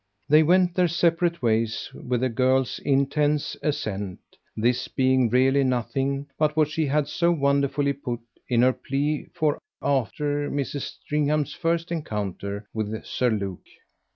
They went their separate ways with the girl's intense assent; this being really nothing but what she had so wonderfully put in her plea for after Mrs. Stringham's first encounter with Sir Luke.